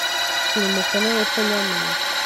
Shyira umukono hepfo, nyamuneka.